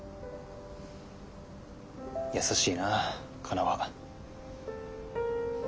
優しいなカナは。